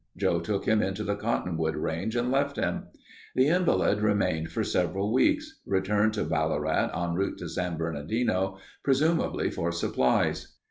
Joe took him into the Cottonwood Range and left him. The invalid remained for several weeks, returned to Ballarat en route to San Bernardino, presumably for supplies.